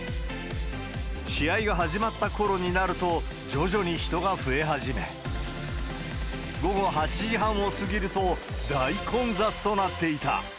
試合が始まったころになると、徐々に人が増え始め、午後８時半を過ぎると、大混雑となっていた。